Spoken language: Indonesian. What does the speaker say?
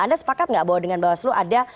anda sepakat nggak bahwa dengan bawaslu ada